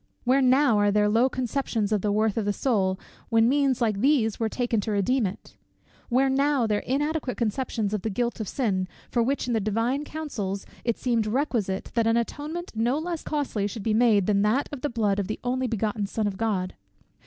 Where now are their low conceptions of the worth of the soul, when means like these were taken to redeem it? Where now their inadequate conceptions of the guilt of sin, for which in the divine counsels it seemed requisite that an atonement no less costly should be made, than that of the blood of the only begotten Son of God?